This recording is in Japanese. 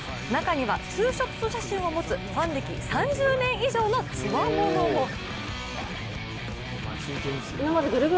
中にはツーショット写真を持つファン歴３０年以上のつわものも。